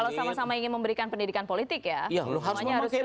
kalau sama sama ingin memberikan pendidikan politik ya semuanya harus